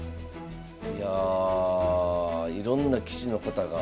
いやいろんな棋士の方が。